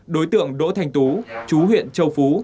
đối tượng đỗ thành tú chú huyện châu phú